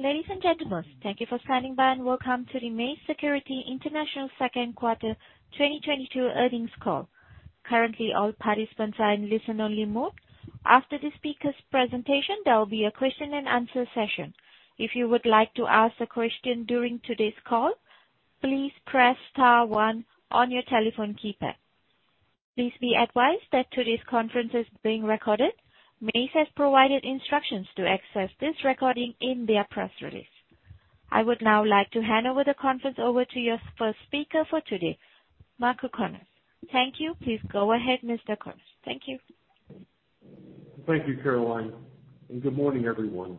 Ladies and gentlemen, thank you for standing by and welcome to the Mace Security International Q2 2022 earnings call. Currently, all participants are in listen-only mode. After the speaker's presentation, there will be a question and answer session. If you would like to ask a question during today's call, please press star one on your telephone keypad. Please be advised that today's conference is being recorded. Mace has provided instructions to access this recording in their press release. I would now like to hand over the conference to your first speaker for today, Mark O'Connor. Thank you. Please go ahead, Mr. O'Connor. Thank you. Thank you, Caroline, and good morning, everyone.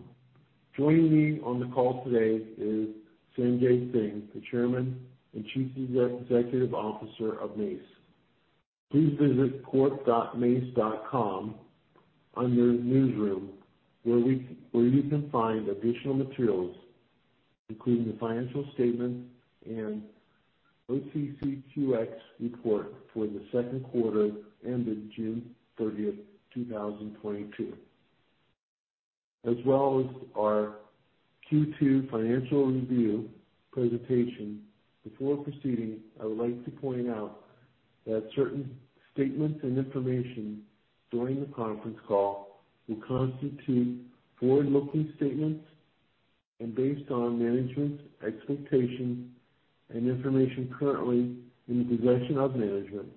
Joining me on the call today is Sanjay Singh, the Chairman and Chief Executive Officer of Mace. Please visit corp.mace.com under Newsroom, where you can find additional materials, including the financial statement and OTCQX report for the Q2 ending June 30, 2022, as well as our Q2 financial review presentation. Before proceeding, I would like to point out that certain statements and information during the conference call will constitute forward-looking statements and based on management's expectations and information currently in the possession of management.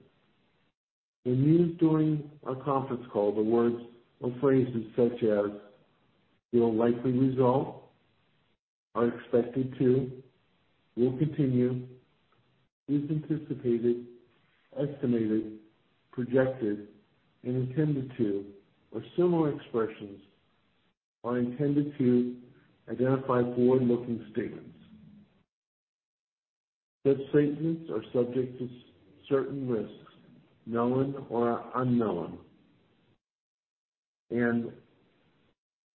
When used during our conference call, the words or phrases such as will likely result, are expected to, will continue, is anticipated, estimated, projected, and intended to, or similar expressions are intended to identify forward-looking statements. Such statements are subject to certain risks, known or unknown, and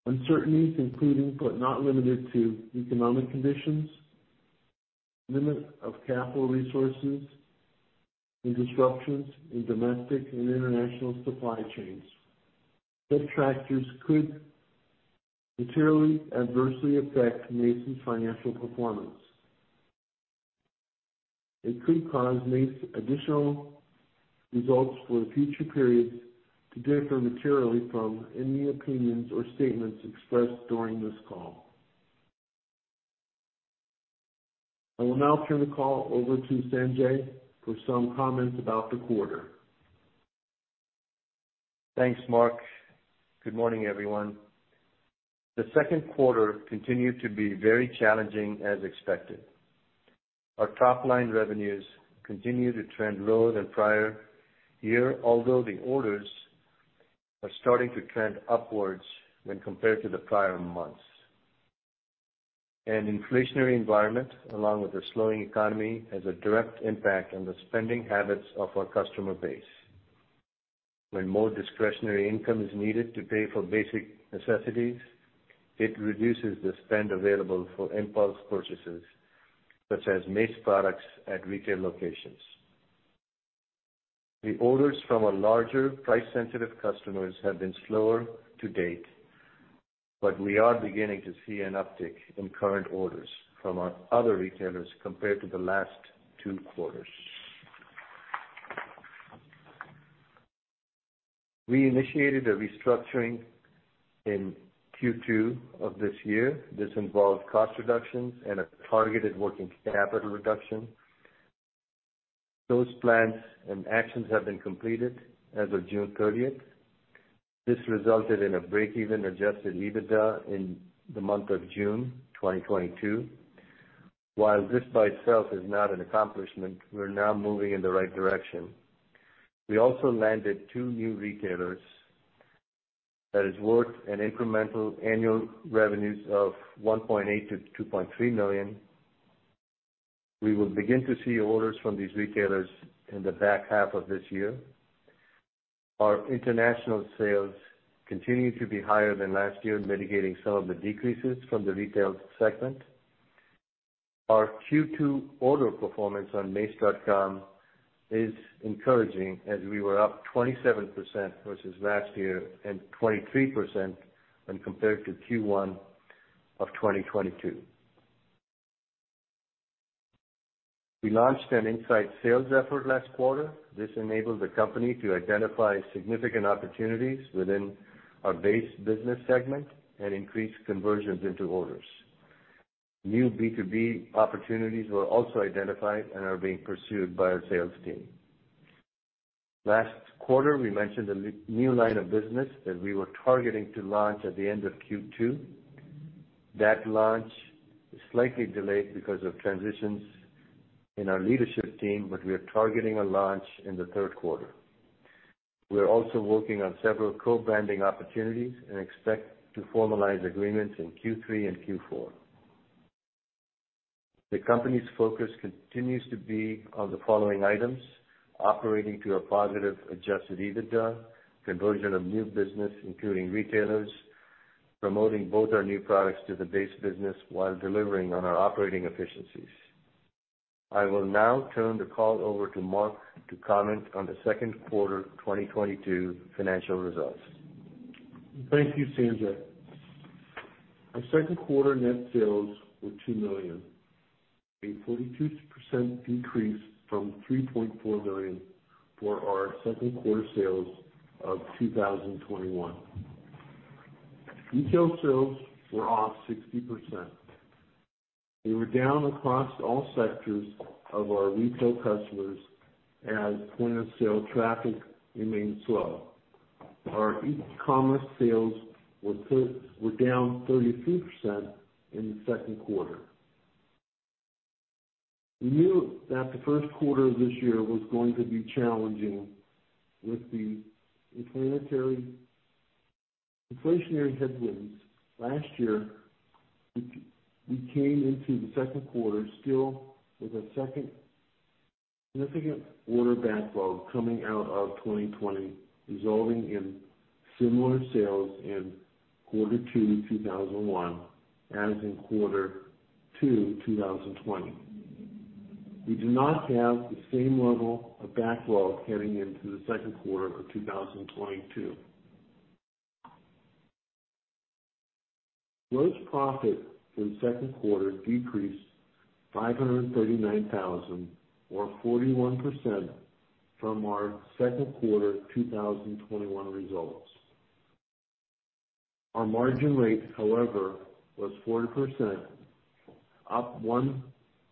uncertainties, including but not limited to economic conditions, limited capital resources, and disruptions in domestic and international supply chains. Such factors could materially adversely affect Mace's financial performance. It could cause Mace actual results for future periods to differ materially from any opinions or statements expressed during this call. I will now turn the call over to Sanjay for some comments about the quarter. Thanks, Mark. Good morning, everyone. The Q2 continued to be very challenging as expected. Our top line revenues continue to trend lower than prior year, although the orders are starting to trend upwards when compared to the prior months. An inflationary environment along with a slowing economy has a direct impact on the spending habits of our customer base. When more discretionary income is needed to pay for basic necessities, it reduces the spend available for impulse purchases such as Mace products at retail locations. The orders from our larger price-sensitive customers have been slower to date, but we are beginning to see an uptick in current orders from our other retailers compared to the last two quarters. We initiated a restructuring in Q2 of this year. This involved cost reductions and a targeted working capital reduction. Those plans and actions have been completed as of June thirtieth. This resulted in a break-even adjusted EBITDA in the month of June 2022. While this by itself is not an accomplishment, we're now moving in the right direction. We also landed two new retailers that is worth an incremental annual revenues of $1.8 million-$2.3 million. We will begin to see orders from these retailers in the back half of this year. Our international sales continue to be higher than last year, mitigating some of the decreases from the retail segment. Our Q2 order performance on mace.com is encouraging as we were up 27% versus last year and 23% when compared to Q1 of 2022. We launched an inside sales effort last quarter. This enabled the company to identify significant opportunities within our base business segment and increase conversions into orders. New B2B opportunities were also identified and are being pursued by our sales team. Last quarter, we mentioned a new line of business that we were targeting to launch at the end of Q2. That launch is slightly delayed because of transitions in our leadership team, but we are targeting a launch in the Q3. We are also working on several co-branding opportunities and expect to formalize agreements in Q3 and Q4. The company's focus continues to be on the following items. Operating to a positive adjusted EBITDA, conversion of new business, including retailers, promoting both our new products to the base business while delivering on our operating efficiencies. I will now turn the call over to Mark to comment on the Q2 2022 financial results. Thank you, Sanjay. Our Q2 net sales were $2 million, a 42% decrease from $3.4 million for our Q2 sales of 2021. Retail sales were off 60%. They were down across all sectors of our retail customers as point-of-sale traffic remained slow. Our e-commerce sales were down 33% in the Q2. We knew that the Q1 of this year was going to be challenging with the inflationary headwinds. Last year, we came into the Q2 still with a second significant order backlog coming out of 2020, resulting in similar sales in quarter two 2021 as in quarter two 2020. We do not have the same level of backlog heading into the Q2 of 2022. Gross profit in the Q2 decreased $539,000 or 41% from our Q2 2021 results. Our margin rate, however, was 40%, up 1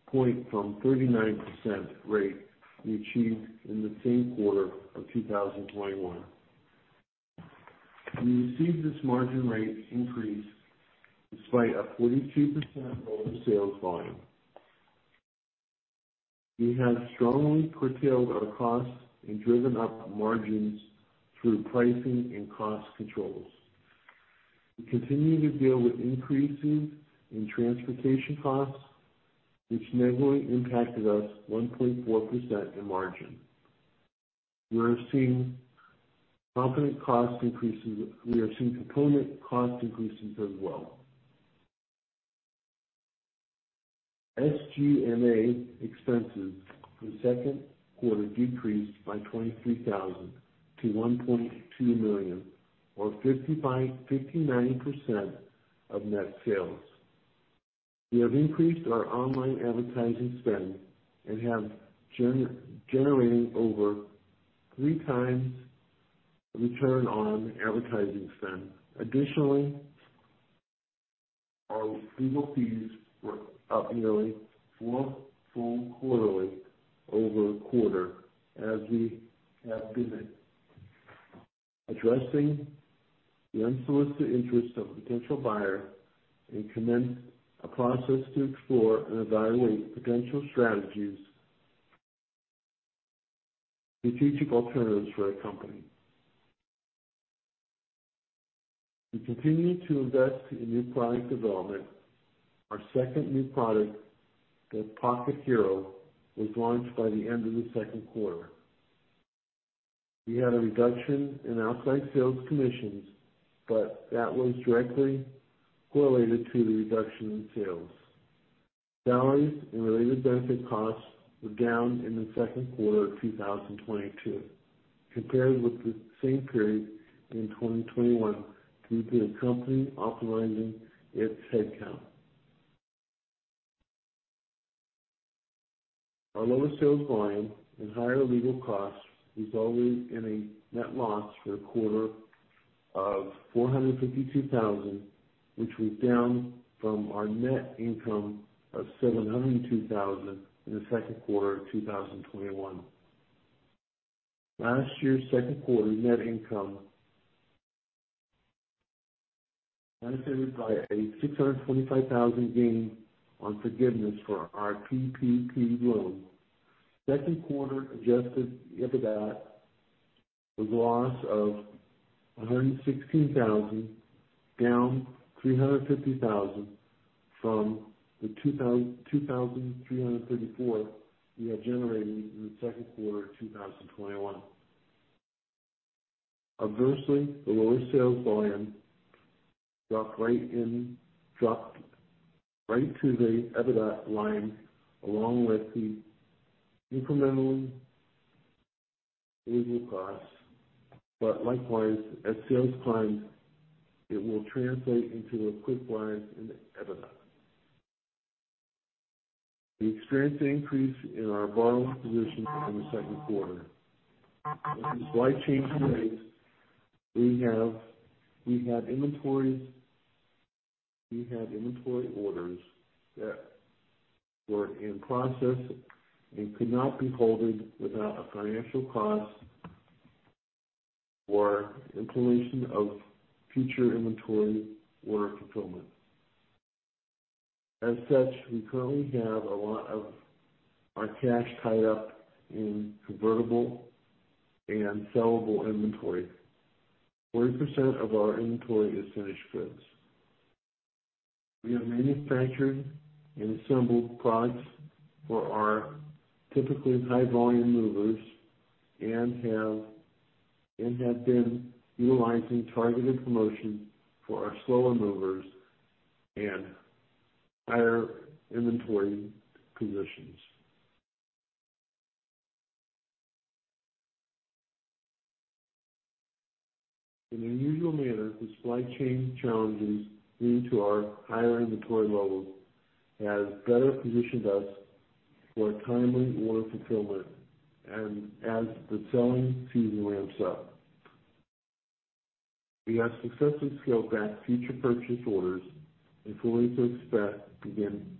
point from 39% rate we achieved in the same quarter of 2021. We received this margin rate increase despite a 42% lower sales volume. We have strongly curtailed our costs and driven up margins through pricing and cost controls. We continue to deal with increases in transportation costs, which negatively impacted us 1.4% in margin. We are seeing component cost increases as well. SG&A expenses for the Q2 decreased by $23,000 to $1.2 million, or 59% of net sales. We have increased our online advertising spend and have generating over 3 times the return on advertising spend. Additionally, our legal fees were up nearly fourfold quarter-over-quarter as we have been addressing the unsolicited interest of a potential buyer and commenced a process to explore and evaluate potential strategies, strategic alternatives for our company. We continue to invest in new product development. Our second new product, the Pocket Hero, was launched by the end of the Q2. We had a reduction in outside sales commissions, but that was directly correlated to the reduction in sales. Salaries and related benefit costs were down in the Q2 of 2022 compared with the same period in 2021 due to the company optimizing its headcount. Our lower sales volume and higher legal costs resulted in a net loss for the quarter of $452 thousand, which was down from our net income of $702 thousand in the Q2 of 2021. Last year's Q2 net income benefited by a $625 thousand gain on forgiveness for our PPP loan. Q2 adjusted EBITDA was a loss of $116 thousand, down $350 thousand from the $234 thousand we had generated in the Q2 of 2021. Adversely, the lower sales volume dropped right to the EBITDA line along with the incremental legal costs, but likewise, as sales climb, it will translate into a quick rise in the EBITDA. We experienced an increase in our borrowing position in the Q2. With this slight change in rates, we had inventory orders that were in process and could not be held without a financial cost or inflation of future inventory order fulfillment. As such, we currently have a lot of our cash tied up in convertible and sellable inventory. 40% of our inventory is finished goods. We have manufactured and assembled products for our typically high-volume movers and have been utilizing targeted promotion for our slower movers and higher inventory positions. In an unusual manner, the supply chain challenges due to our higher inventory levels have better positioned us for a timely order fulfillment and as the selling season ramps up. We have successfully scaled back future purchase orders and we fully expect to begin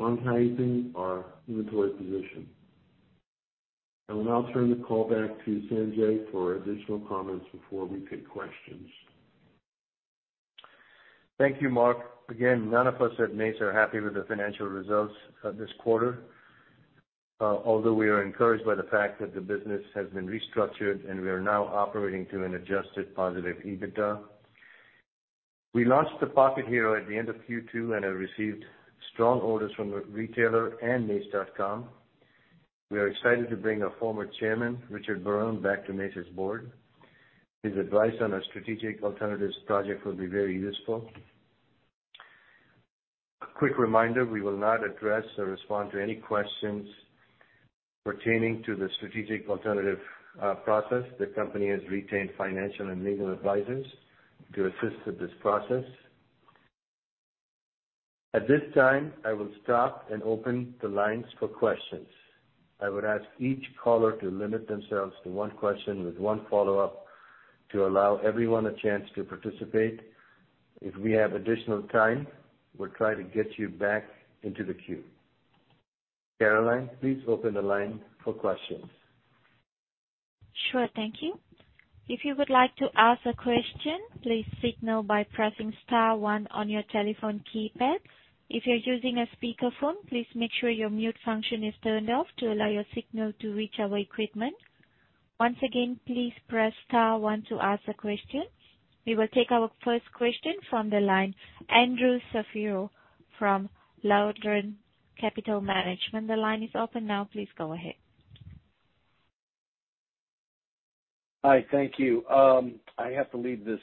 monetizing our inventory position. I will now turn the call back to Sanjay for additional comments before we take questions. Thank you, Mark. Again, none of us at Mace are happy with the financial results of this quarter, although we are encouraged by the fact that the business has been restructured and we are now operating to an adjusted positive EBITDA. We launched the Pocket Hero at the end of Q2 and have received strong orders from the retailer and mace.com. We are excited to bring our former chairman, Richard Barone, back to Mace's board. His advice on our strategic alternatives project will be very useful. A quick reminder, we will not address or respond to any questions pertaining to the strategic alternative process. The company has retained financial and legal advisors to assist with this process. At this time, I will stop and open the lines for questions. I would ask each caller to limit themselves to one question with one follow-up to allow everyone a chance to participate. If we have additional time, we'll try to get you back into the queue. Caroline, please open the line for questions. Sure. Thank you. If you would like to ask a question, please signal by pressing star one on your telephone keypad. If you're using a speakerphone, please make sure your mute function is turned off to allow your signal to reach our equipment. Once again, please press star one to ask a question. We will take our first question from the line, Andrew Shapiro from Lawndale Capital Management. The line is open now. Please go ahead. Hi. Thank you. I have to leave this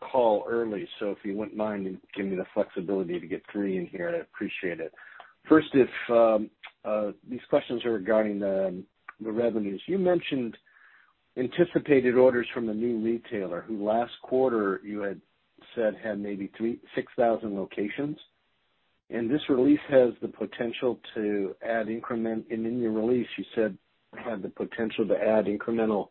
call early, so if you wouldn't mind and give me the flexibility to get three in here, I'd appreciate it. First, these questions are regarding the revenues. You mentioned anticipated orders from a new retailer who last quarter you had said had maybe 36,000 locations, and this release has the potential to add incremental. In your release you said had the potential to add incremental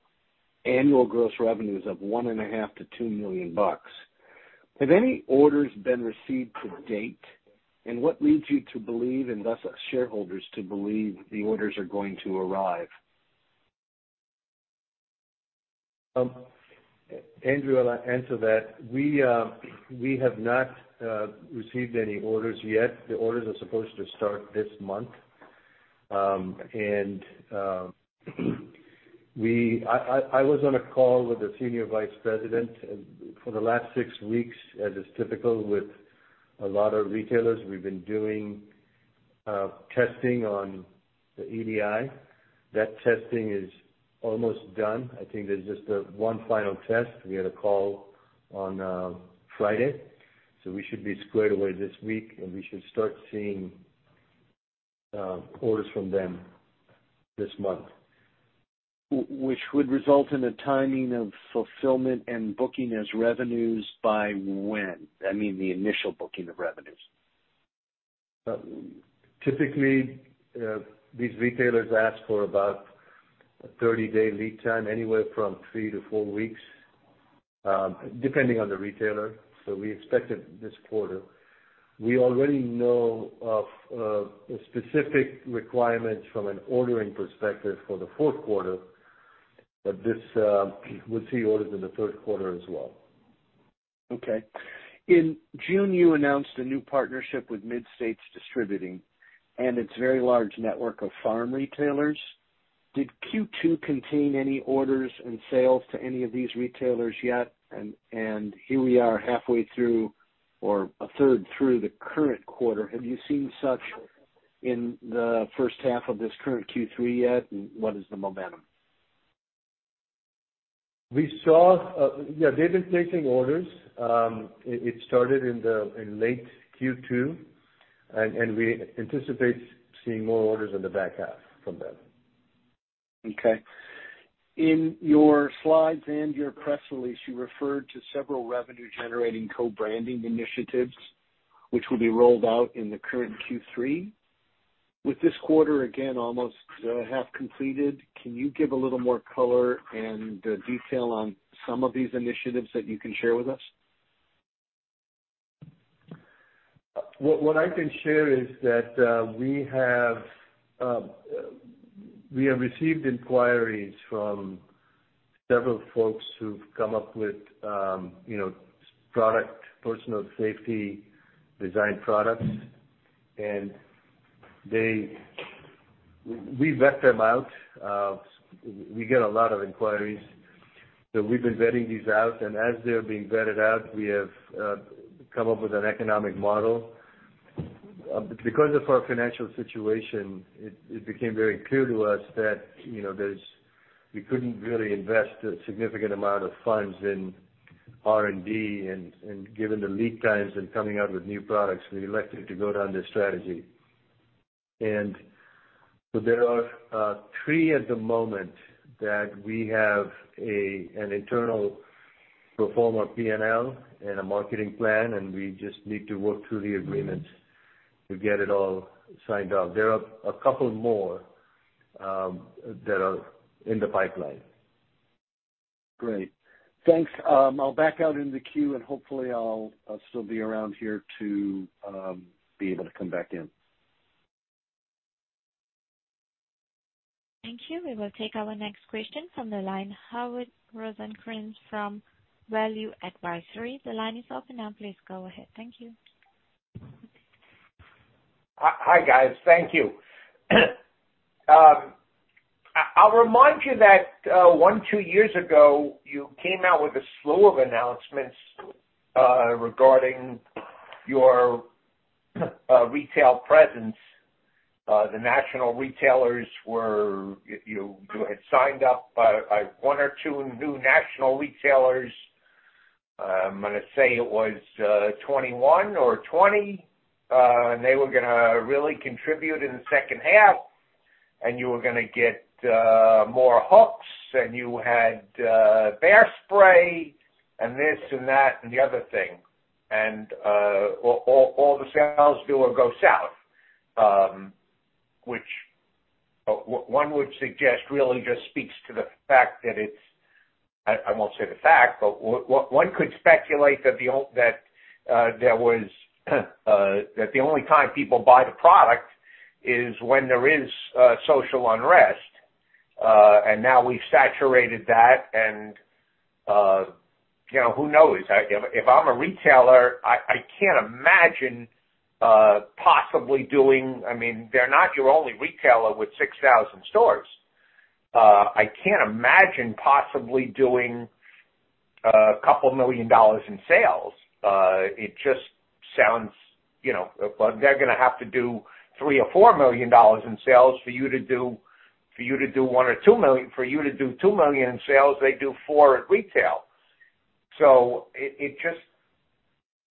annual gross revenues of $1.5-$2 million. Have any orders been received to date? What leads you to believe, and thus us shareholders to believe, the orders are going to arrive? Andrew, I'll answer that. We have not received any orders yet. The orders are supposed to start this month. I was on a call with the senior vice president, and for the last six weeks, as is typical with a lot of retailers, we've been doing testing on the EDI. That testing is almost done. I think there's just one final test. We had a call on Friday, so we should be squared away this week, and we should start seeing orders from them this month. Which would result in a timing of fulfillment and booking as revenues by when? I mean, the initial booking of revenues. Typically, these retailers ask for about a 30-day lead time, anywhere from 3-4 weeks, depending on the retailer. We expect it this quarter. We already know of specific requirements from an ordering perspective for the Q4, but this, we'll see orders in the Q3 as well. Okay. In June, you announced a new partnership with Mid-States Distributing and its very large network of farm retailers. Did Q2 contain any orders and sales to any of these retailers yet? Here we are halfway through or a third through the current quarter. Have you seen such in the first half of this current Q3 yet? What is the momentum? We saw, yeah, they've been placing orders. It started in late Q2 and we anticipate seeing more orders in the back half from them. Okay. In your slides and your press release, you referred to several revenue-generating co-branding initiatives which will be rolled out in the current Q3. With this quarter again almost half completed, can you give a little more color and detail on some of these initiatives that you can share with us? What I can share is that we have received inquiries from several folks who've come up with you know product personal safety design products, and we vet them out. We get a lot of inquiries. We've been vetting these out, and as they're being vetted out, we have come up with an economic model. Because of our financial situation, it became very clear to us that you know we couldn't really invest a significant amount of funds in R&D, and given the lead times in coming out with new products, we elected to go down this strategy. There are three at the moment that we have an internal pro forma P&L and a marketing plan, and we just need to work through the agreements to get it all signed off. There are a couple more, that are in the pipeline. Great. Thanks. I'll back out in the queue, and hopefully I'll still be around here to be able to come back in. Thank you. We will take our next question from the line, Howard Rosencrans from Value Advisory. The line is open now. Please go ahead. Thank you. Hi, guys. Thank you. I'll remind you that 1 or 2 years ago, you came out with a slew of announcements regarding your retail presence. You had signed up 1 or 2 new national retailers. I'm gonna say it was 21 or 20. They were gonna really contribute in the second half, and you were gonna get more hooks, and you had bear spray and this and that and the other thing. All the sales did or went south, which one would suggest really just speaks to the fact that it's. I won't say the fact, but one could speculate that the only time people buy the product is when there is social unrest. Now we've saturated that and, you know, who knows? If I'm a retailer, I can't imagine possibly doing. I mean, they're not your only retailer with 6,000 stores. I can't imagine possibly doing a couple million dollars in sales. It just sounds, you know. They're gonna have to do $3-4 million in sales for you to do $1-2 million. For you to do $2 million in sales, they do $4 million at retail.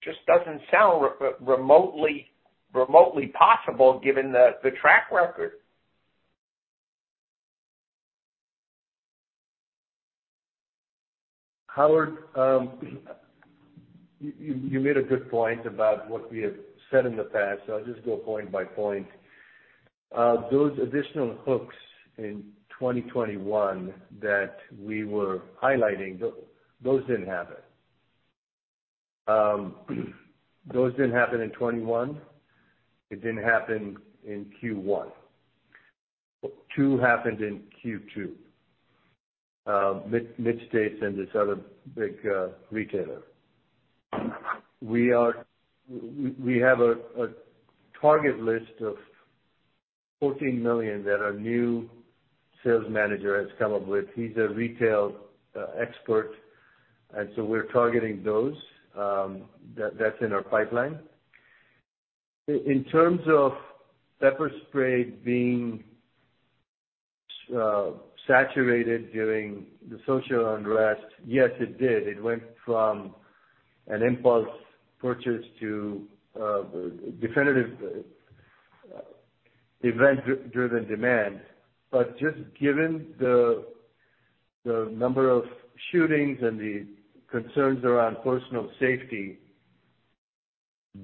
It just doesn't sound remotely possible given the track record. Howard, you made a good point about what we have said in the past. I'll just go point by point. Those additional hooks in 2021 that we were highlighting, those didn't happen. Those didn't happen in 2021. It didn't happen in Q1. Two happened in Q2, Mid-States and this other big retailer. We have a target list of $14 million that our new sales manager has come up with. He's a retail expert, and so we're targeting those, that's in our pipeline. In terms of pepper spray being saturated during the social unrest, yes, it did. It went from an impulse purchase to a definitive event driven demand. Just given the number of shootings and the concerns around personal safety,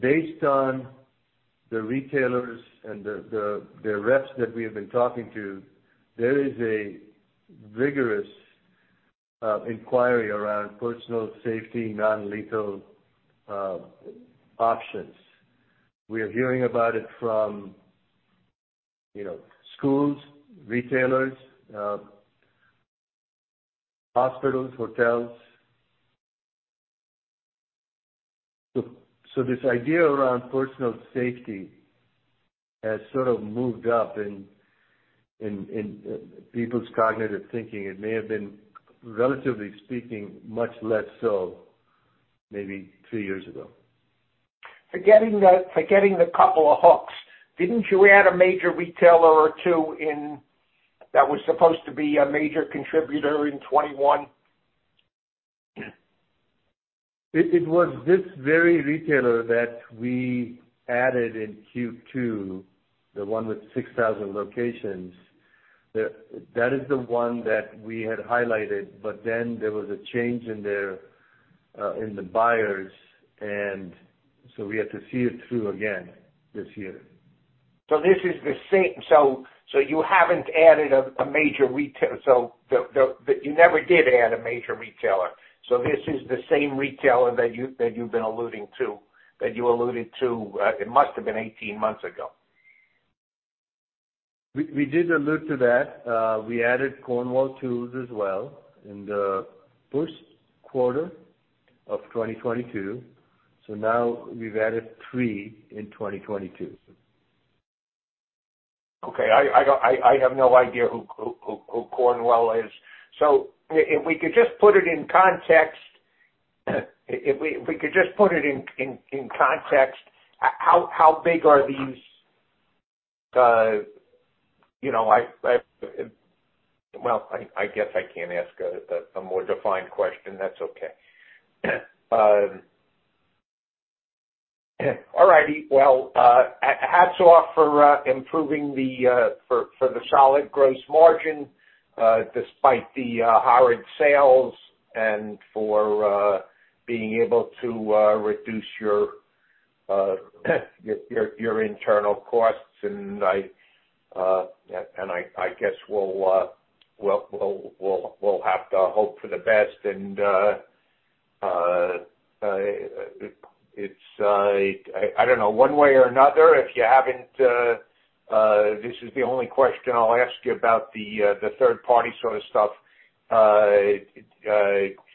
based on the retailers and the reps that we have been talking to, there is a rigorous inquiry around personal safety non-lethal options. We are hearing about it from, you know, schools, retailers, hospitals, hotels. This idea around personal safety has sort of moved up in people's cognitive thinking. It may have been, relatively speaking, much less so maybe two years ago. Forgetting the couple of hooks, didn't you add a major retailer or two in, that was supposed to be a major contributor in 2021? It was this very retailer that we added in Q2, the one with 6,000 locations. That is the one that we had highlighted, but then there was a change in their buyers, and so we had to see it through again this year. You never did add a major retailer. This is the same retailer that you've been alluding to, that you alluded to. It must have been 18 months ago. We did allude to that. We added Cornwell Quality Tools as well in the Q1 of 2022. Now we've added three in 2022. Okay. I have no idea who Cornwell is. If we could just put it in context. How big are these? I guess I can't ask a more defined question. That's okay. All righty. Hats off for improving the solid gross margin despite the horrid sales and for being able to reduce your internal costs. I guess we'll have to hope for the best and it's, I don't know, one way or another, if you haven't, this is the only question I'll ask you about the third party sort of stuff. Is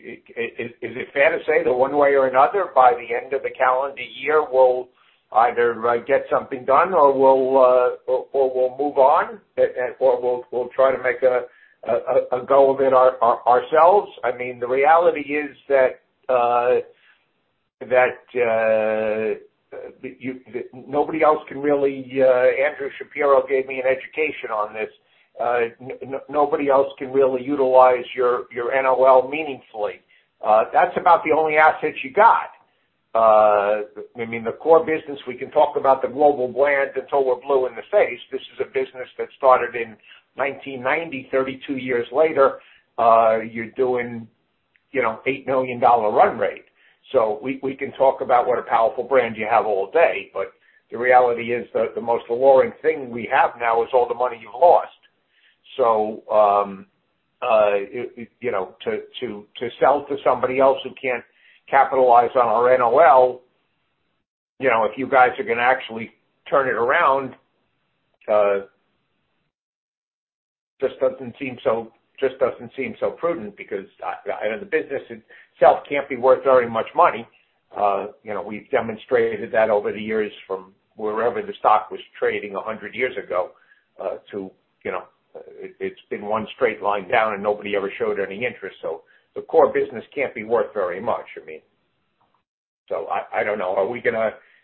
it fair to say that one way or another, by the end of the calendar year, we'll either get something done or we'll move on, or we'll try to make a goal within ourselves? I mean, the reality is that nobody else can really. Andrew Shapiro gave me an education on this. Nobody else can really utilize your NOL meaningfully. That's about the only asset you got. I mean, the core business, we can talk about the global brand until we're blue in the face. This is a business that started in 1990. Thirty-two years later, you're doing, you know, $8 million run rate. We can talk about what a powerful brand you have all day, but the reality is the most alluring thing we have now is all the money you've lost. You know, to sell to somebody else who can't capitalize on our NOL, you know, if you guys are gonna actually turn it around, just doesn't seem so prudent because I know the business itself can't be worth very much money. You know, we've demonstrated that over the years from wherever the stock was trading 100 years ago to, you know, it's been one straight line down and nobody ever showed any interest. The core business can't be worth very much, I mean. I don't know.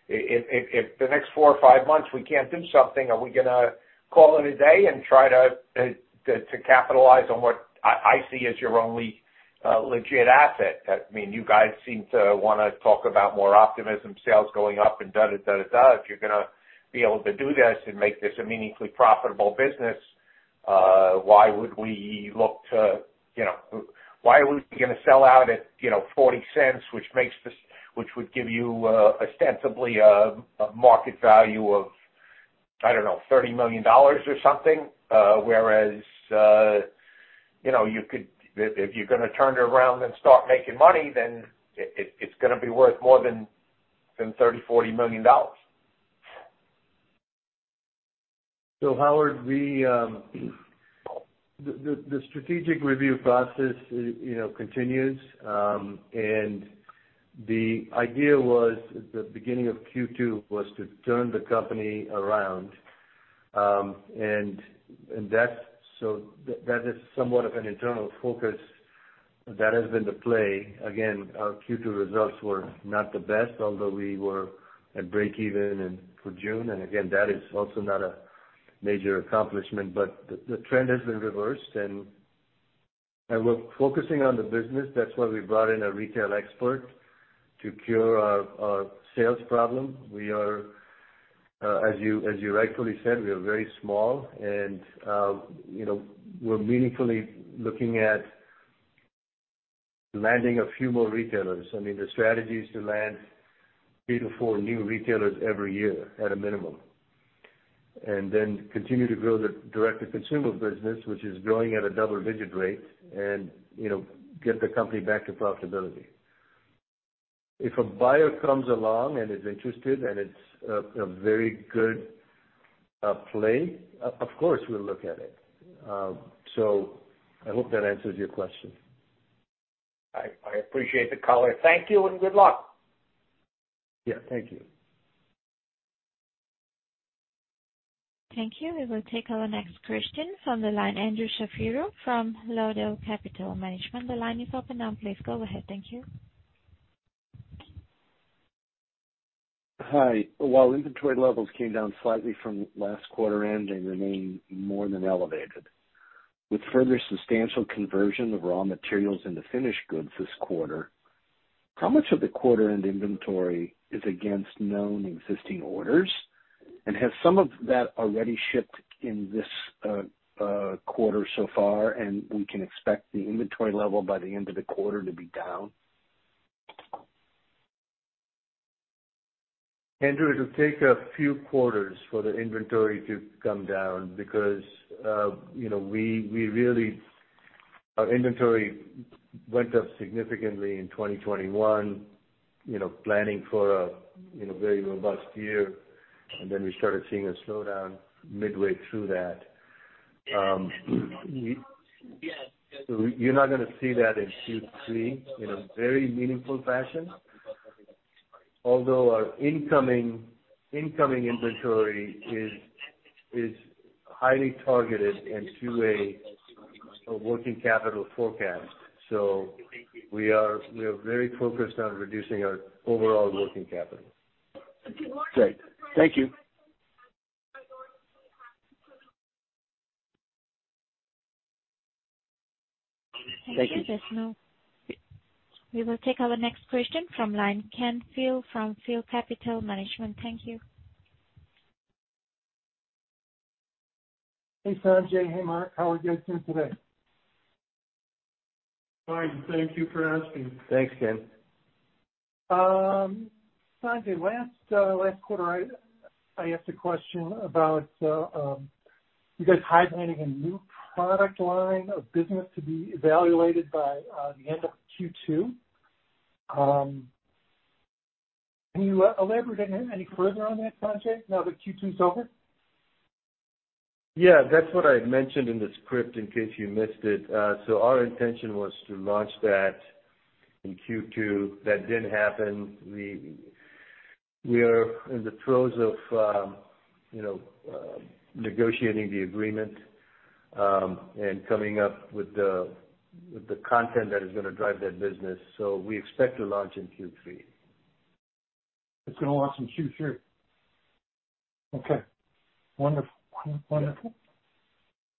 If the next four or five months we can't do something, are we gonna call it a day and try to capitalize on what I see as your only legit asset? I mean, you guys seem to wanna talk about more optimism, sales going up and da-da-da-ta-da. If you're gonna be able to do this and make this a meaningfully profitable business, why would we look to, you know. Why would we gonna sell out at, you know, $0.40, which makes this. Which would give you ostensibly a market value of, I don't know, $30 million or something? Whereas, you know, you could. If you're gonna turn it around and start making money, then it's gonna be worth more than $30-$40 million. Howard, the strategic review process, you know, continues. The idea was, at the beginning of Q2, to turn the company around. That is somewhat of an internal focus. That has been the play. Again, our Q2 results were not the best, although we were at breakeven for June. Again, that is also not a major accomplishment. The trend has been reversed and we're focusing on the business. That's why we brought in a retail expert to cure our sales problem. We are, as you rightfully said, we are very small and, you know, we're meaningfully looking at landing a few more retailers. I mean, the strategy is to land 3-4 new retailers every year at a minimum, and then continue to grow the direct-to-consumer business, which is growing at a double-digit rate and, you know, get the company back to profitability. If a buyer comes along and is interested, and it's a very good play, of course, we'll look at it. I hope that answers your question. I appreciate the color. Thank you and good luck. Yeah, thank you. Thank you. We will take our next question from the line, Andrew Shapiro from Lawndale Capital Management. The line is open now. Please go ahead. Thank you. Hi. While inventory levels came down slightly from last quarter end, they remain more than elevated. With further substantial conversion of raw materials into finished goods this quarter, how much of the quarter end inventory is against known existing orders? And has some of that already shipped in this quarter so far, and we can expect the inventory level by the end of the quarter to be down? Andrew, it'll take a few quarters for the inventory to come down because you know, our inventory went up significantly in 2021, you know, planning for a you know, very robust year. We started seeing a slowdown midway through that. You're not gonna see that in Q3 in a very meaningful fashion. Although our incoming inventory is highly targeted to a working capital forecast. We are very focused on reducing our overall working capital. Great. Thank you. Thank you. We will take our next question from line Ken Field from Field Capital Management. Thank you. Hey, Sanjay. Hey, Mark. How are you guys doing today? Fine. Thank you for asking. Thanks, Ken. Sanjay, last quarter, I asked a question about you guys highlighting a new product line of business to be evaluated by the end of Q2. Can you elaborate any further on that, Sanjay, now that Q2 is over? Yeah, that's what I had mentioned in the script, in case you missed it. Our intention was to launch that in Q2. That didn't happen. We are in the throes of you know negotiating the agreement and coming up with the content that is gonna drive that business. We expect to launch in Q3. It's gonna launch in Q3. Okay. Wonderful. Wonderful.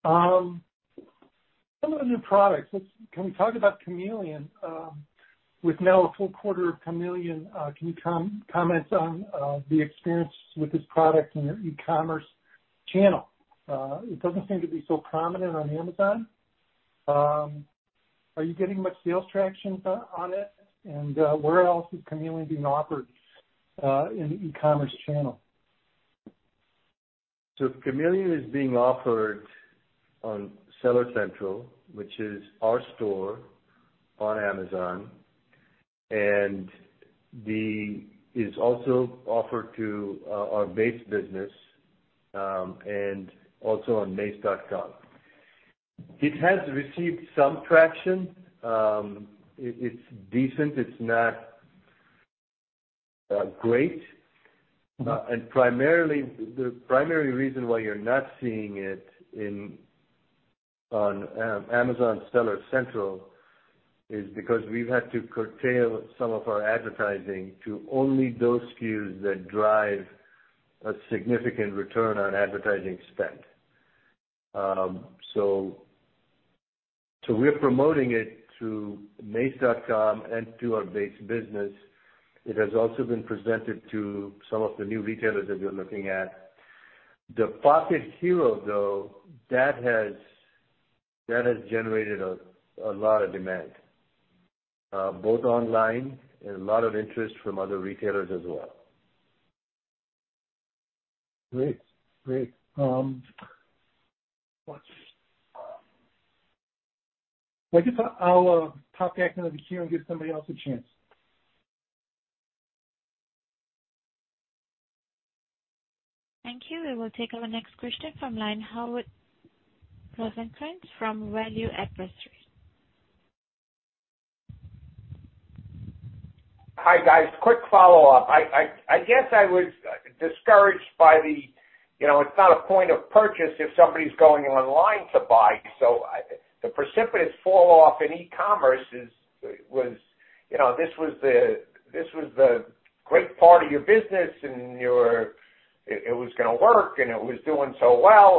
Yeah. Some of the new products, can we talk about Chameleon? With now a full quarter of Chameleon, can you comment on the experience with this product in your e-commerce channel? It doesn't seem to be so prominent on Amazon. Are you getting much sales traction on it? Where else is Chameleon being offered in the e-commerce channel? Chameleon is being offered on Seller Central, which is our store on Amazon. It's also offered to our base business, and also on mace.com. It has received some traction. It's decent. It's not great. Primarily, the primary reason why you're not seeing it on Amazon Seller Central is because we've had to curtail some of our advertising to only those SKUs that drive a significant return on advertising spend. We're promoting it through mace.com and to our base business. It has also been presented to some of the new retailers that we're looking at. The Pocket Hero, though, that has generated a lot of demand both online and a lot of interest from other retailers as well. Great. Well, I guess I'll pop back under the queue and give somebody else a chance. Thank you. We will take our next question from line Howard Rosencrans from Value Advisory. Hi, guys. Quick follow-up. I guess I was discouraged by the, you know, it's not a point of purchase if somebody's going online to buy. The precipitous falloff in e-commerce was, you know, this was the great part of your business, and your. It was gonna work, and it was doing so well.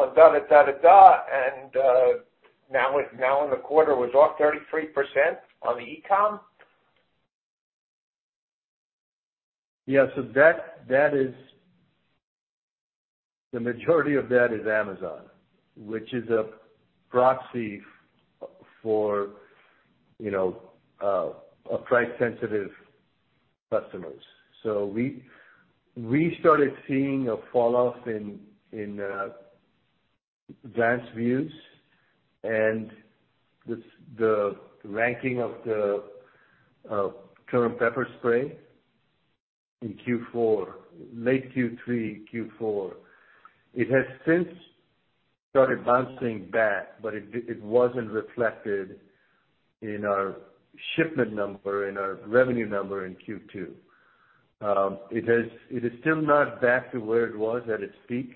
Now in the quarter was off 33% on the e-com? That is the majority of that is Amazon, which is a proxy for, you know, price sensitive customers. We started seeing a falloff in ad views and with the ranking of the current pepper spray in Q4, late Q3, Q4. It has since started bouncing back, but it wasn't reflected in our shipment number, in our revenue number in Q2. It is still not back to where it was at its peak,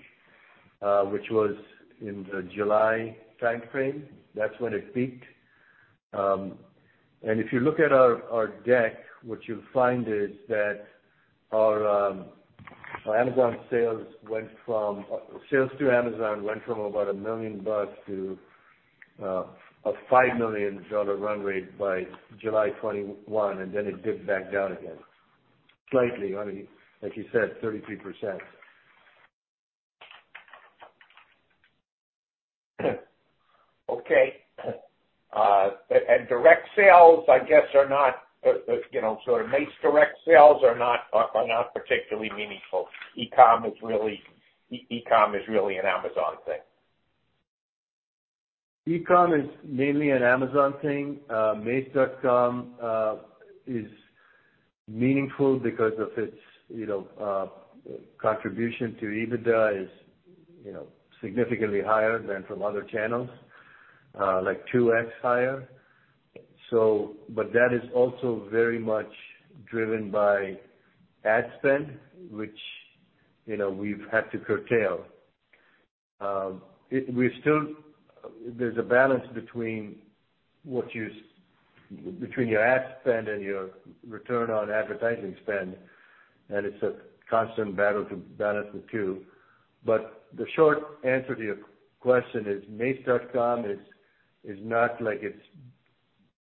which was in the July timeframe. That's when it peaked. If you look at our deck, what you'll find is that our sales to Amazon went from about $1 million to a $5 million run rate by July 2021, and then it dipped back down again slightly.I mean, as you said, 33%. Okay. You know, Mace direct sales are not particularly meaningful. E-com is really an Amazon thing. E-com is mainly an Amazon thing. mace.com is meaningful because of its, you know, contribution to EBITDA is, you know, significantly higher than from other channels. Like 2x higher. That is also very much driven by ad spend, which, you know, we've had to curtail. There's a balance between your ad spend and your return on advertising spend, and it's a constant battle to balance the two. The short answer to your question is mace.com is not like it's,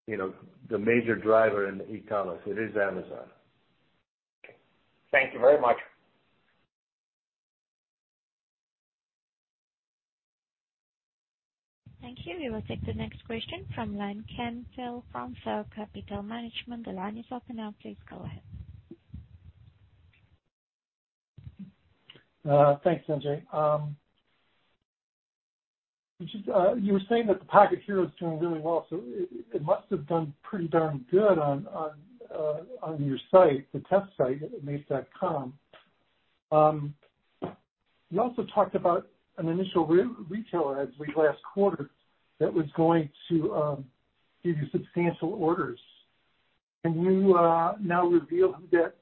you know, the major driver in e-commerce. It is Amazon. Okay. Thank you very much. Thank you. We will take the next question from line, Ken Till from Sail Capital Management. The line is open now. Please go ahead. Thanks, Sanjay. Just, you were saying that the Pocket Hero is doing really well, so it must have done pretty darn good on your site, the test site at mace.com. You also talked about an initial retailer as of last quarter that was going to give you substantial orders. Can you now reveal who that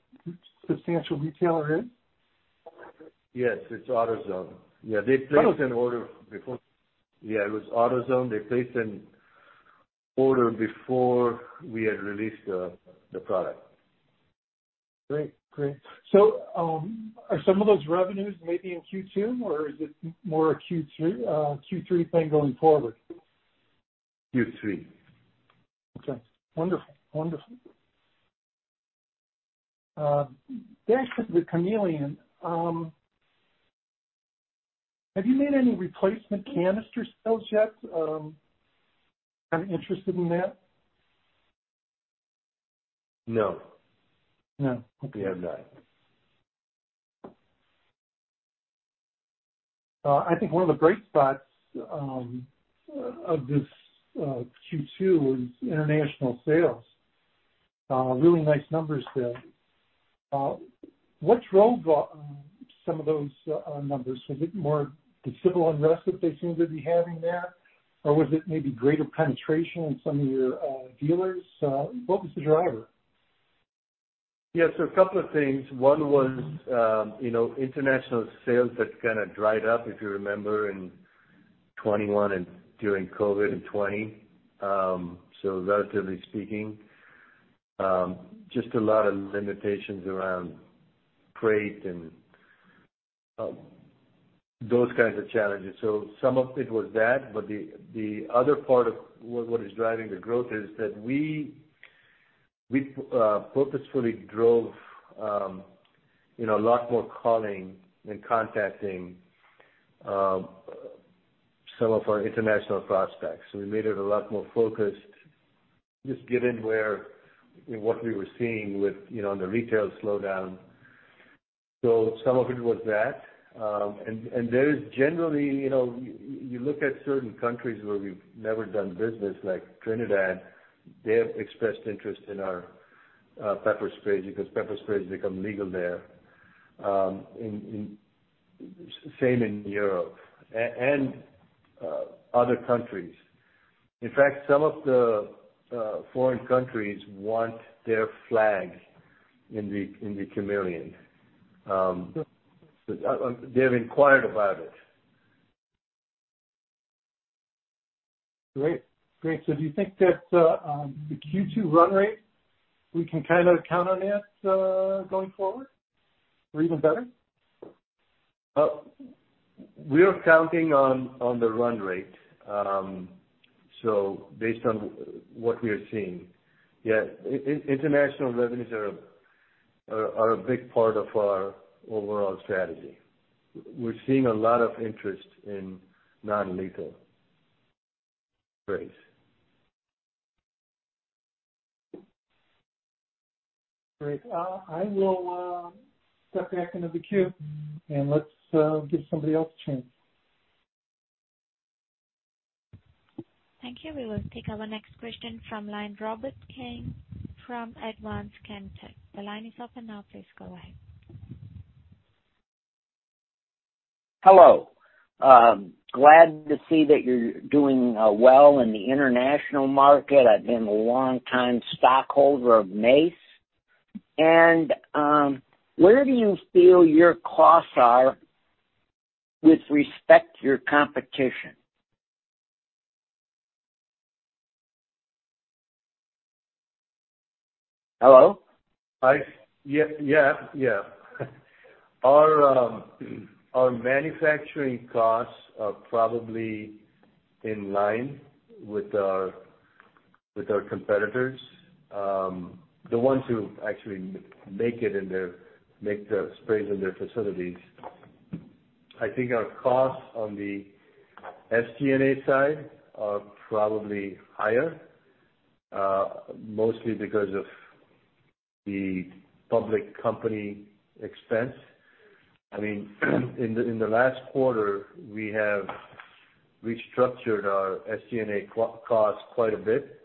substantial retailer is? Yes, it's AutoZone. Yeah, they placed an order before. Yeah, it was AutoZone. They placed an order before we had released the product. Great. Are some of those revenues maybe in Q2, or is it more a Q3 thing going forward? Q3. Okay. Wonderful. Back to the Chameleon. Have you made any replacement canister sales yet? I'm interested in that. No. No. Okay. We have not. I think one of the bright spots of this Q2 was international sales. Really nice numbers there. What drove some of those numbers? Was it more the civil unrest that they seem to be having there, or was it maybe greater penetration in some of your dealers? What was the driver? Yes, a couple of things. One was, you know, international sales that kinda dried up, if you remember, in 2021 and during COVID in 2020. Relatively speaking, just a lot of limitations around freight and, those kinds of challenges. Some of it was that, but the other part of what is driving the growth is that we purposefully drove, you know, a lot more calling and contacting, some of our international prospects. We made it a lot more focused, just given what we were seeing with, you know, the retail slowdown. Some of it was that. There is generally, you know, you look at certain countries where we've never done business, like Trinidad. They have expressed interest in our pepper sprays because pepper sprays become legal there. Same in Europe and other countries. In fact, some of the foreign countries want their flags in the Chameleon. They've inquired about it. Great. Do you think that, the Q2 run rate, we can kinda count on that, going forward or even better? We are counting on the run rate. Based on what we are seeing, yeah, international revenues are a big part of our overall strategy. We're seeing a lot of interest in non-lethal sprays. Great. I will step back into the queue, and let's give somebody else a chance. Thank you. We will take our next question from line, Robert King from Advance Can Tech. The line is open now. Please go ahead. Hello. Glad to see that you're doing well in the international market. I've been a longtime stockholder of Mace. Where do you feel your costs are with respect to your competition? Hello? Yeah. Our manufacturing costs are probably in line with our competitors, the ones who actually make the sprays in their facilities. I think our costs on the SG&A side are probably higher, mostly because of the public company expense. I mean, in the last quarter, we have restructured our SG&A cost quite a bit.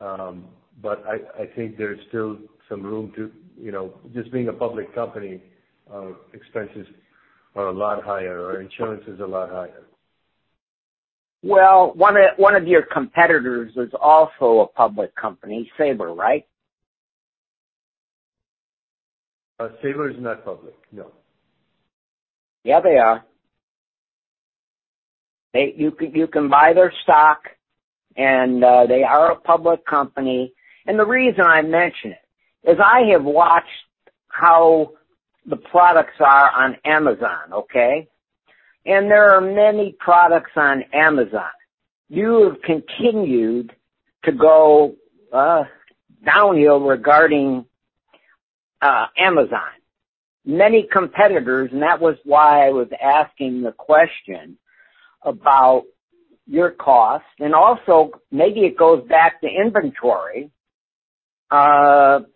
I think there's still some room to, you know, just being a public company, expenses are a lot higher. Our insurance is a lot higher. Well, one of your competitors is also a public company, SABRE, right? SABRE is not public, no. Yeah, they are. You can buy their stock and they are a public company. The reason I mention it is I have watched how the products are on Amazon, okay? There are many products on Amazon. You have continued to go downhill regarding Amazon. Many competitors, and that was why I was asking the question about your cost. Also, maybe it goes back to inventory. Many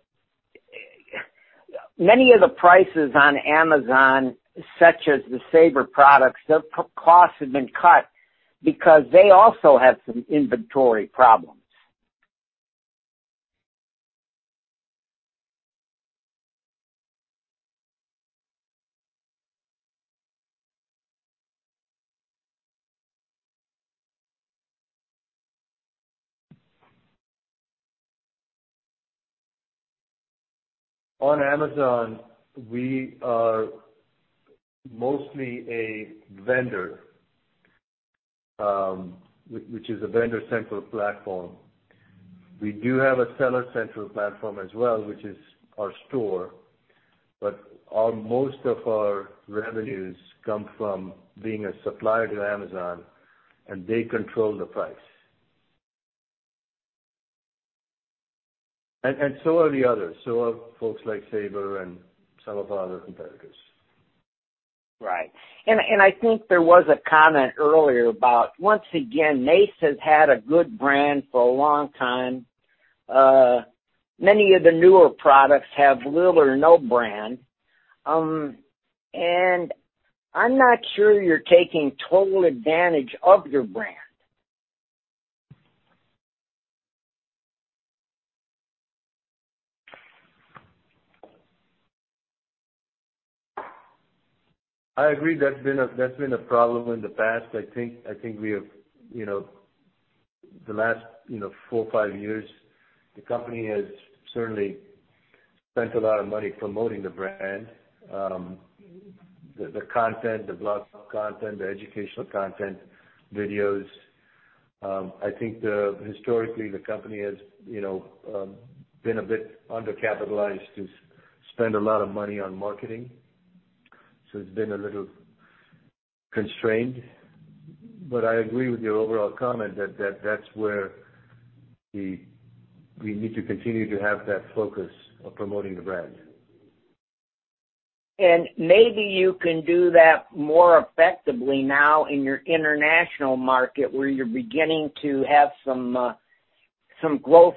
of the prices on Amazon, such as the SABRE products, their costs have been cut because they also have some inventory problems. On Amazon, we are mostly a vendor, which is a vendor-centric platform. We do have a seller-centric platform as well, which is our store, but most of our revenues come from being a supplier to Amazon, and they control the price, so are the others, so are folks like SABRE and some of our other competitors. Right. I think there was a comment earlier about, once again, Mace has had a good brand for a long time. Many of the newer products have little or no brand. I'm not sure you're taking total advantage of your brand. I agree that's been a problem in the past. I think we have, you know, the last 4 or 5 years, the company has certainly spent a lot of money promoting the brand, the content, the blog content, the educational content, videos. I think historically, the company has, you know, been a bit undercapitalized to spend a lot of money on marketing, so it's been a little constrained. I agree with your overall comment that that's where we need to continue to have that focus of promoting the brand. Maybe you can do that more effectively now in your international market where you're beginning to have some growth.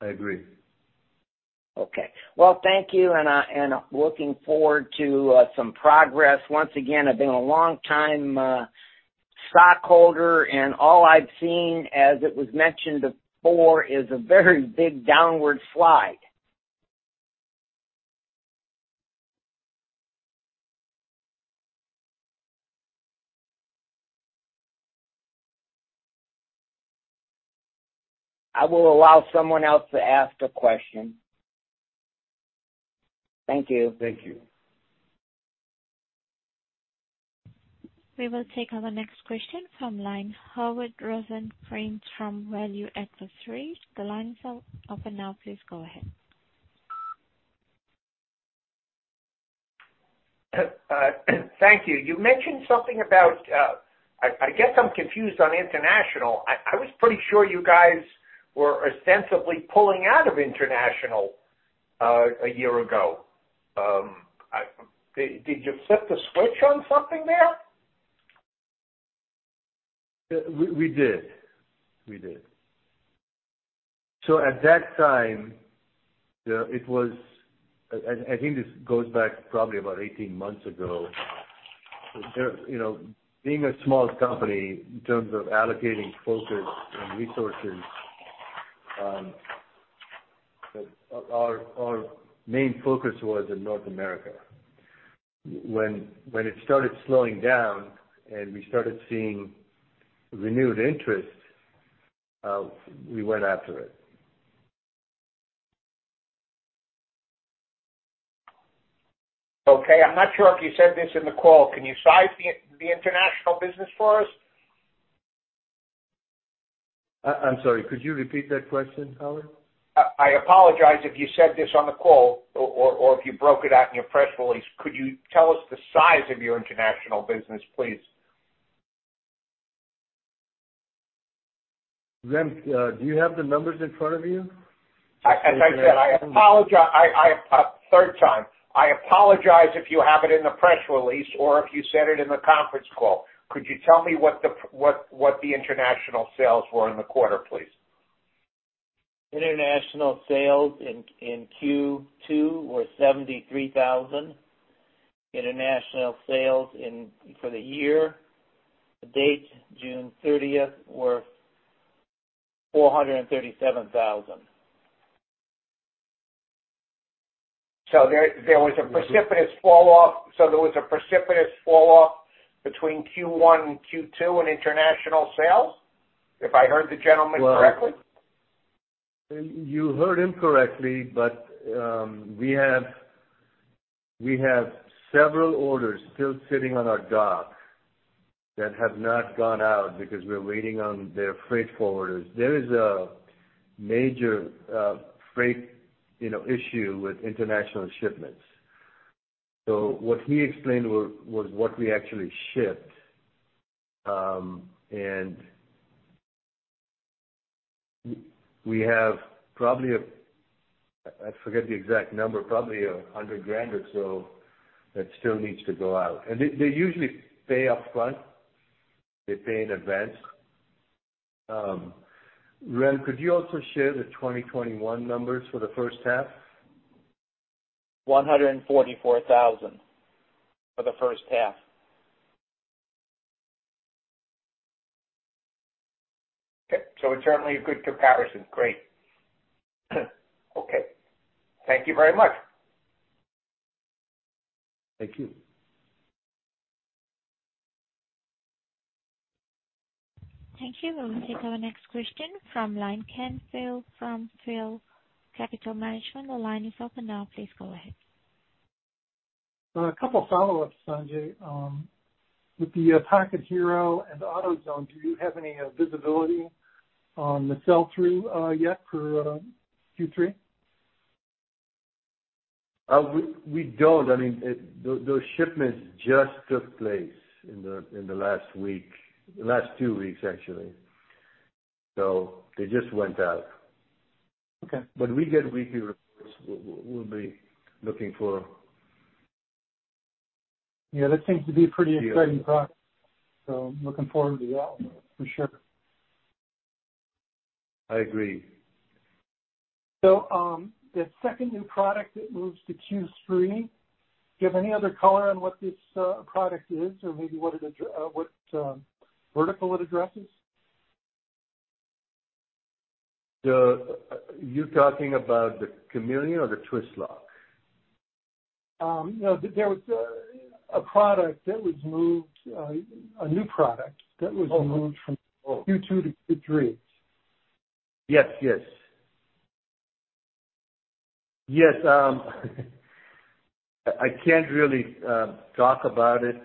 I agree. Okay. Well, thank you, and looking forward to some progress. Once again, I've been a long time stockholder and all I've seen, as it was mentioned before, is a very big downward slide. I will allow someone else to ask a question. Thank you. Thank you. We will take our next question from line, Howard Rosencrans from Value Advisory. The line is open now. Please go ahead. Thank you. You mentioned something about, I guess I'm confused on international. I was pretty sure you guys were ostensibly pulling out of international a year ago. Did you flip the switch on something there? We did. At that time, I think this goes back probably about 18 months ago. You know, being a small company in terms of allocating focus and resources, our main focus was in North America. When it started slowing down and we started seeing renewed interest, we went after it. Okay. I'm not sure if you said this in the call. Can you size the international business for us? I'm sorry. Could you repeat that question, Howard? I apologize if you said this on the call or if you broke it out in your press release. Could you tell us the size of your international business, please? Rem, do you have the numbers in front of you? As I said, I apologize. Third time. I apologize if you have it in the press release or if you said it in the conference call. Could you tell me what the international sales were in the quarter, please? International sales in Q2 were $73,000. International sales for the year to date, June thirtieth, were $437,000. There was a precipitous fall off between Q1 and Q2 in international sales, if I heard the gentleman correctly? Well, you heard him correctly, but we have several orders still sitting on our dock that have not gone out because we're waiting on their freight forwarders. There is a major freight, you know, issue with international shipments. What he explained was what we actually shipped. We have probably $100,000 or so that still needs to go out. I forget the exact number. They usually pay up front. They pay in advance. Rem, could you also share the 2021 numbers for the first half? $144,000 for the first half. Okay. It's certainly a good comparison. Great. Okay. Thank you very much. Thank you. Thank you. We'll take our next question from line Ken Phil from Phil Capital Management. The line is open now. Please go ahead. A couple follow-ups, Sanjay. With the Pocket Hero and the AutoZone, do you have any visibility on the sell-through yet for Q3? We don't. I mean, those shipments just took place in the last week, last two weeks, actually. They just went out. Okay. When we get weekly reports, we'll be looking for. Yeah, that seems to be a pretty exciting product. Looking forward to that for sure. I agree. The second new product that moves to Q3, do you have any other color on what this product is or maybe what vertical it addresses? Are you talking about the Chameleon or the Twist Lock? No. There was a product that was moved, a new product that was Oh. Moved from Q2 to three. Yes, yes. Yes. I can't really talk about it.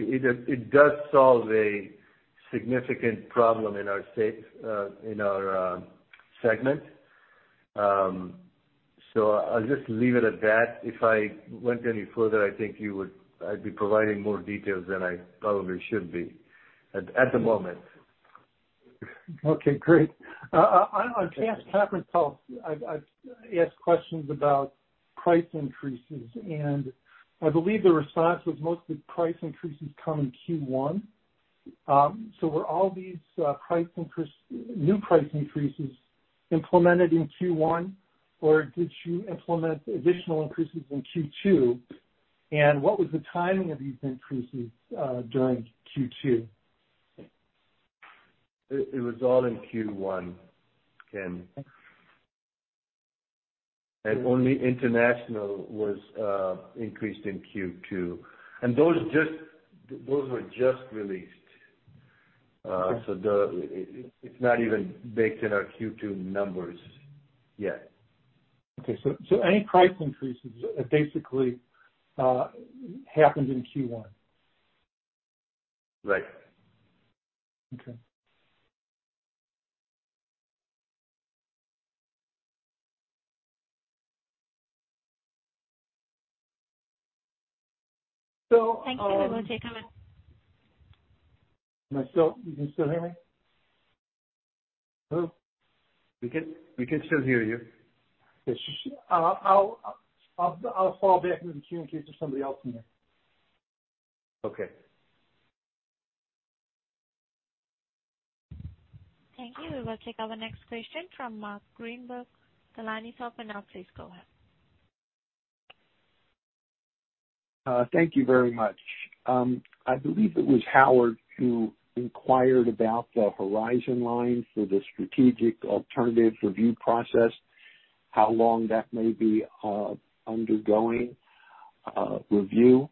It does solve a significant problem in our segment. I'll just leave it at that. If I went any further, I think you would. I'd be providing more details than I probably should be at the moment. Okay, great. On past conference calls, I've asked questions about price increases, and I believe the response was most of the price increases come in Q1. So were all these price increases, new price increases implemented in Q1 or did you implement additional increases in Q2, and what was the timing of these increases during Q2? It was all in Q1, Ken. Okay. Only international was increased in Q2. Those were just released. It's not even baked in our Q2 numbers yet. Okay. Any price increases basically happened in Q1? Right. Okay. Thank you. We'll take our next. You can still hear me? Hello? We can still hear you. It's just I'll fall back into the queue in case there's somebody else in there. Okay. Thank you. We will take our next question from Mark Greenberg. The line is open now. Please go ahead. Thank you very much. I believe it was Howard who inquired about the horizon line for the strategic alternative review process, how long that may be undergoing review.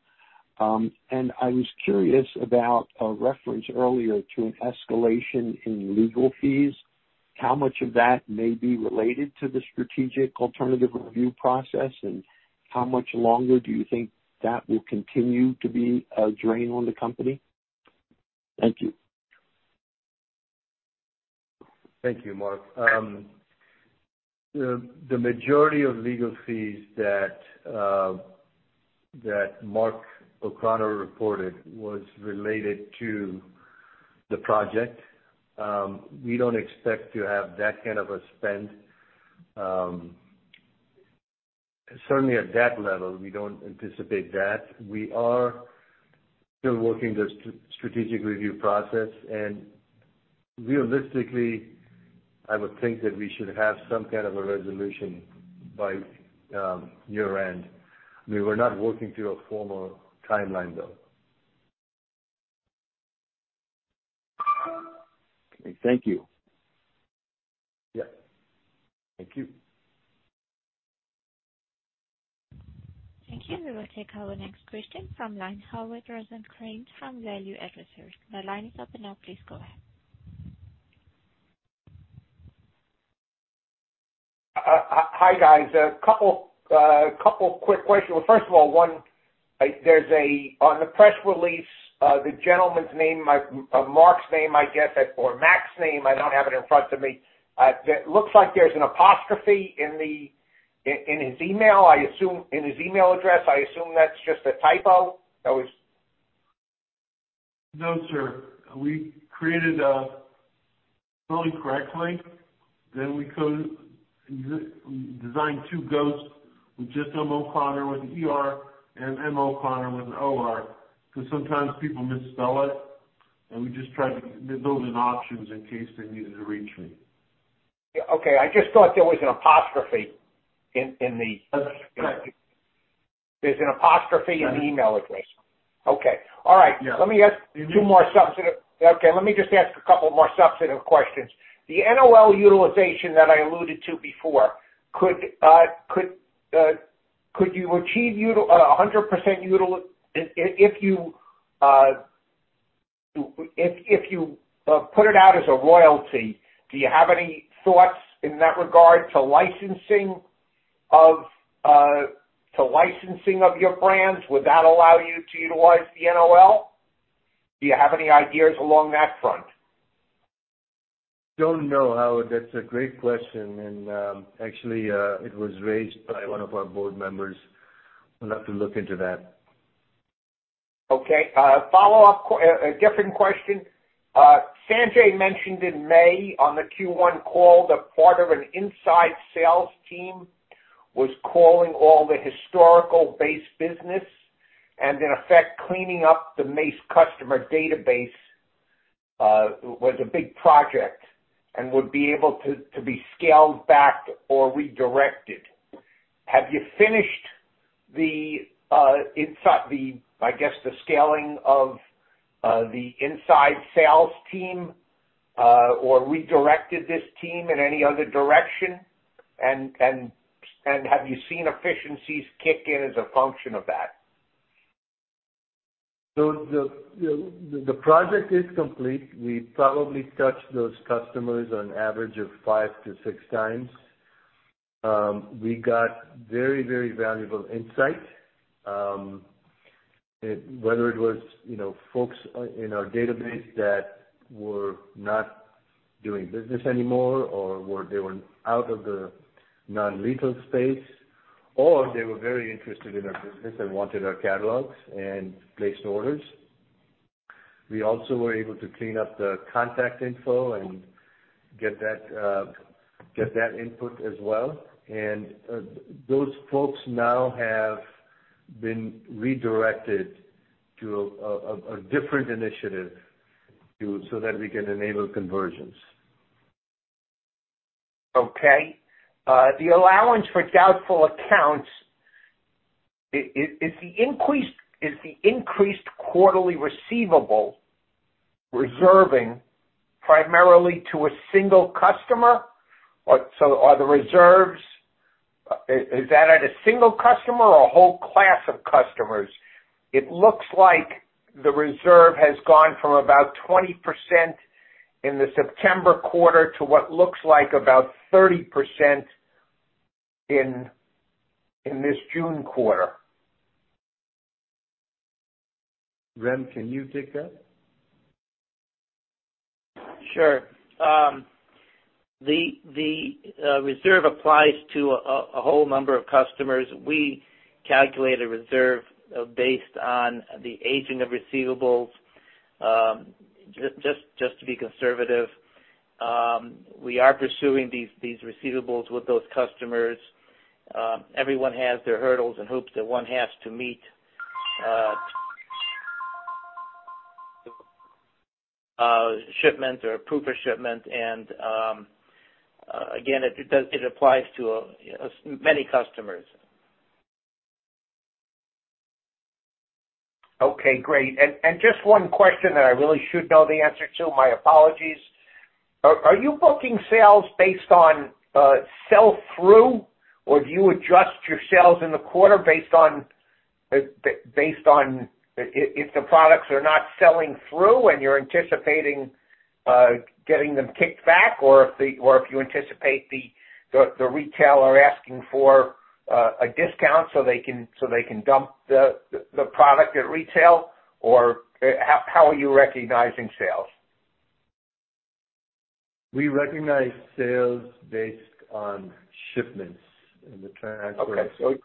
I was curious about a reference earlier to an escalation in legal fees, how much of that may be related to the strategic alternative review process, and how much longer do you think that will continue to be a drain on the company? Thank you. Thank you, Mark. The majority of legal fees that Mark O'Connor reported was related to the project. We don't expect to have that kind of a spend. Certainly at that level, we don't anticipate that. We are still working the strategic review process and realistically, I would think that we should have some kind of a resolution by year-end. We were not working to a formal timeline, though. Okay, thank you. Yeah. Thank you. Thank you. We will take our next question from Howard Rosencrans from Value Advisory. The line is open now, please go ahead. Hi guys. A couple quick questions. First of all, on the press release, the gentleman's name, Mark's name I guess, or Mark's name. I don't have it in front of me. That looks like there's an apostrophe in his email address. I assume that's just a typo. No, sir. We created fully correctly. We co-ex-designed two ghosts with just Mark O'Connor with an ER and Mark O'Connor with an OR, because sometimes people misspell it, and we just tried to build in options in case they needed to reach me. Okay. I just thought there was an apostrophe in. That's correct. There's an apostrophe in the email address. Okay. All right. Yeah. Okay, let me just ask a couple more substantive questions. The NOL utilization that I alluded to before, could you achieve 100% utilization if you put it out as a royalty? Do you have any thoughts in that regard to licensing of your brands? Would that allow you to utilize the NOL? Do you have any ideas along that front? Don't know, Howard. That's a great question. Actually, it was raised by one of our board members. We'll have to look into that. Okay. A different question. Sanjay mentioned in May on the Q1 call that part of an inside sales team was calling all the historical base business and in effect cleaning up the Mace customer database, was a big project and would be able to be scaled back or redirected. Have you finished the scaling of the inside sales team, or redirected this team in any other direction? Have you seen efficiencies kick in as a function of that? The project is complete. We probably touched those customers on average 5-6 times. We got very valuable insight, whether it was, you know, folks in our database that were not doing business anymore or they were out of the non-lethal space, or they were very interested in our business and wanted our catalogs and placed orders. We also were able to clean up the contact info and get that input as well. Those folks now have been redirected to a different initiative so that we can enable conversions. Okay. The allowance for doubtful accounts, is the increased quarterly receivable reserving primarily to a single customer? Or are the reserves, is that at a single customer or a whole class of customers? It looks like the reserve has gone from about 20% in the September quarter to what looks like about 30% in this June quarter. Rem, can you take that? Sure. The reserve applies to a whole number of customers. We calculate a reserve based on the aging of receivables to be conservative. We are pursuing these receivables with those customers. Everyone has their hurdles and hoops that one has to meet, shipment or proof of shipment. Again, it applies to many customers. Okay, great. Just one question that I really should know the answer to. My apologies. Are you booking sales based on sell-through or do you adjust your sales in the quarter based on if the products are not selling through and you're anticipating getting them kicked back or if you anticipate the retailer asking for a discount so they can dump the product at retail or how are you recognizing sales? We recognize sales based on shipments and the transactions.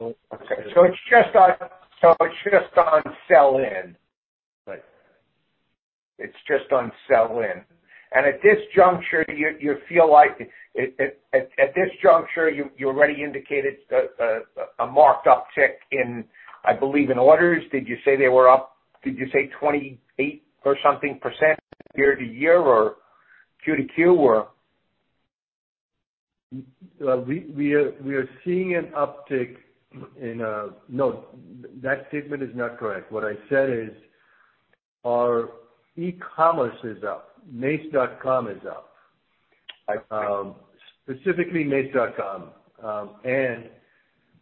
Okay. It's just on sell in. Right. It's just on sell-in. At this juncture, you feel like at this juncture you already indicated a marked uptick in orders, I believe. Did you say they were up 28% or something year-over-year or Q2Q or? No, that statement is not correct. What I said is our e-commerce is up. Mace.com is up. I see. Specifically mace.com.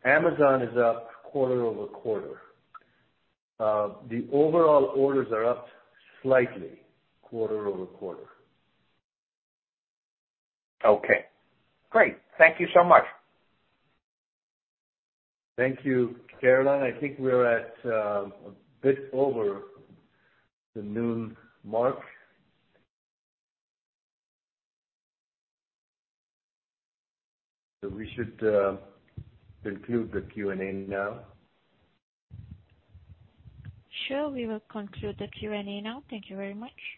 Amazon is up quarter-over-quarter. The overall orders are up slightly quarter-over-quarter. Okay, great. Thank you so much. Thank you. Caroline, I think we're at a bit over the noon mark. We should conclude the Q&A now. Sure, we will conclude the Q&A now. Thank you very much.